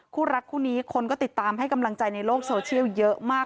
คู่รักคู่นี้คนก็ติดตามให้กำลังใจในโลกโซเชียลเยอะมาก